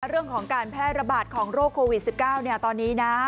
เรื่องของการแพร่ระบาดของโรคโควิด๑๙ตอนนี้นะ